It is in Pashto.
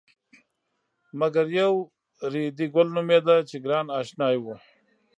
مګر یو ریډي ګل نومېده چې ګران اشنای و.